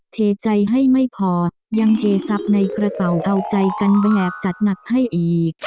เทใจให้ไม่พอยังเทซับในกระเป๋าเอาใจกันแบบจัดหนักให้อีก